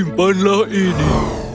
kau simpanlah ini